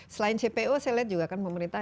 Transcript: selain cpo saya lihat juga kan pemerintah